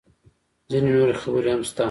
_ځينې نورې خبرې هم شته.